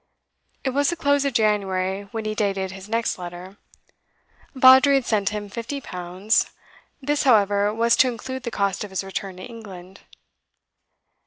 It was the close of January when he dated his next letter. Vawdrey had sent him fifty pounds; this, however, was to include the cost of his return to England.